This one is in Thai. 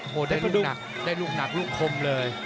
โหได้รุ่นหนักหลุกคมเลย